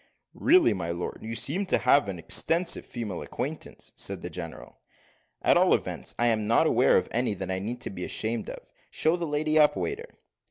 "Really, my lord, you seem to have an extensive female acquaintance," said the general. "At all events, I am not aware of any that I need be ashamed of. Show the lady up, waiter."